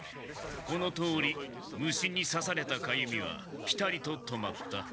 このとおり虫にさされたかゆみはピタリと止まった。